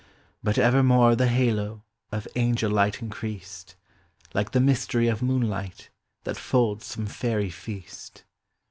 J Jut evermore the halo Of angel light increased. Like the mystery of moonlight That folds some fairy feast.